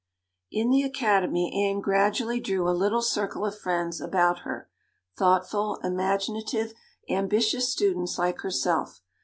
In the Academy Anne gradually drew a little circle of friends about her, thoughtful, imaginative, ambitious students like herself.